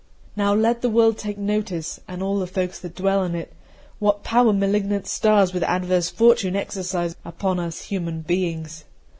Now let the world take notice, and all the folk that dwell on it, what power malignant stars with adverse fortune exercise upon us human beings!